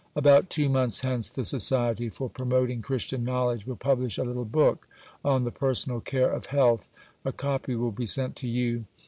About two months hence the Society for Promoting Christian Knowledge will publish a little book on "the personal care of health." A copy will be sent to you.